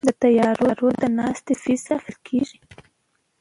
د طیارو د ناستې فیس اخیستل کیږي؟